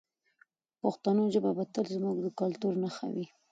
پښتو ژبه به تل زموږ د کلتور نښه وي.